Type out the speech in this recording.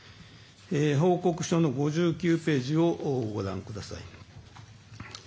報告書の５９ページをご覧ください。